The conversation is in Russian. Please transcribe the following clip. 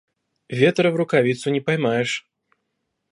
Ветра в рукавицу не поймаешь.